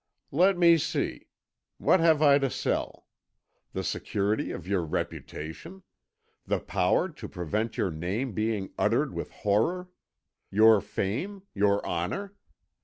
"Let me see. What have I to sell? The security of your reputation? The power to prevent your name being uttered with horror? Your fame your honour?